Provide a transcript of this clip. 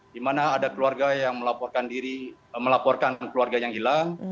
di mana ada keluarga yang melaporkan diri melaporkan keluarga yang hilang